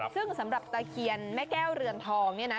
ซึ่งสำหรับตะเคียนแม่แก้วเรือนทองเนี่ยนะ